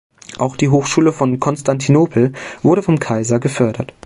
Auch die Hochschule von Konstantinopel wurde vom Kaiser gefördert.